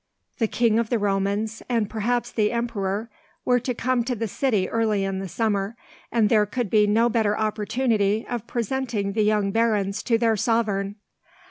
The King of the Romans, and perhaps the Emperor, were to come to the city early in the summer, and there could be no better opportunity of presenting the young Barons to their sovereign.